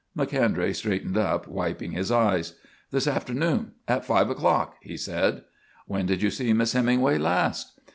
Macondray straightened up, wiping his eyes. "This afternoon at 5 o'clock," he said. "When did you see Miss Hemingway last?"